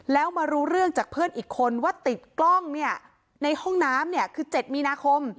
แล้วมารู้เรื่องจากเพื่อนอีกคนว่าติดกล้องเนี่ยในห้องน้ำคือ๗มีนาคม